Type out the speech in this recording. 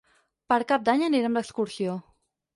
Per Cap d'Any anirem d'excursió.